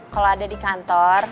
kalo ada di kantor